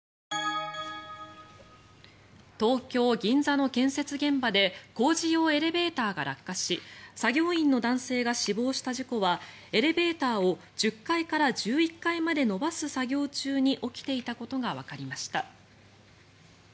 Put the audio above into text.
東京・銀座の建設現場で工事用エレベーターが落下し作業員の男性が死亡した事故はエレベーターを１０階から１１階まで延ばす作業中に起きていたことがわかりました。